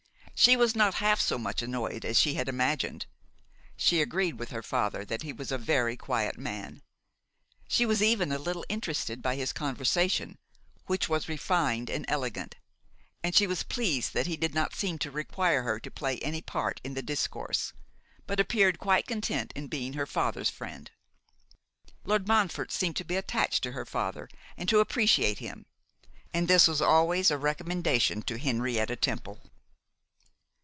She was not half so much annoyed as she had imagined; she agreed with her father that he was a very quiet man; she was even a little interested by his conversation, which was refined and elegant; and she was pleased that he did not seem to require her to play any part in the discourse, but appeared quite content in being her father's friend. Lord Montfort seemed to be attached to her father, and to appreciate him. And this was always a recommendation to Henrietta Temple.